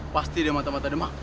pasti dia mata mata demak